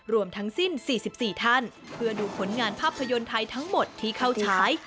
รวมทั้งสิ้น๔๔ท่านเพื่อดูผลงานภาพยนตร์ไทยทั้งหมดที่เข้าฉาย